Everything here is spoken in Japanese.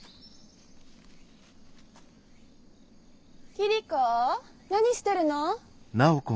・桐子何してるの？